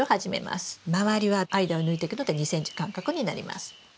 周りは間を抜いてくので２ｃｍ間隔になります。